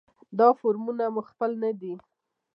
دا فورمونه مو خپل نه دي.